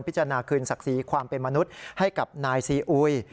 พิจารณาคืนศักดิ์ศรีความเป็นมนุษย์ให้กับนายซีอุย